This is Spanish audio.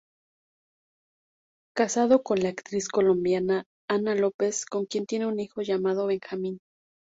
Casado con la actriz colombiana Anna Lopez con quien tiene un hijo llamado Benjamin.